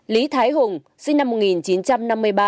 lý thái hùng sinh năm một nghìn chín trăm năm mươi ba